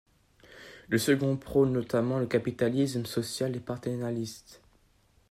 Le second prône notamment le capitalisme social et paternaliste.